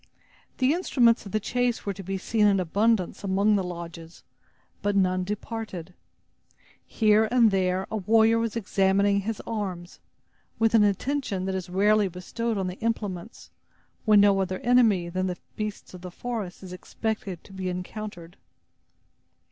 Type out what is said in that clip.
The instruments of the chase were to be seen in abundance among the lodges; but none departed. Here and there a warrior was examining his arms, with an attention that is rarely bestowed on the implements, when no other enemy than the beasts of the forest is expected to be encountered.